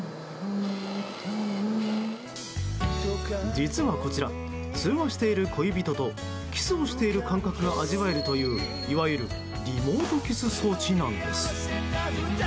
実はこちら、通話している恋人とキスをしている感覚が味わえるといういわゆるリモートキス装置なんです。